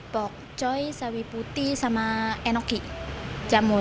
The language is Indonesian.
bok choy sawi putih sama enoki camur